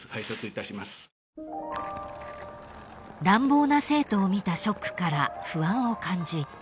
［乱暴な生徒を見たショックから不安を感じ